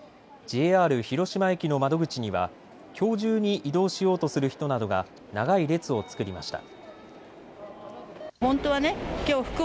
ＪＲ広島駅の窓口にはきょう中に移動しようとする人などが長い列を作りました。